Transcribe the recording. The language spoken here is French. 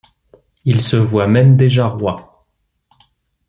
Il se voit même déjà roi.